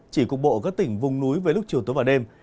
chỉ cục bộ các tỉnh vùng núi với lúc chiều tối vào đêm